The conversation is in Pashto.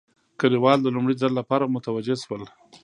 کلیوال د لومړي ځل لپاره متوجه شول.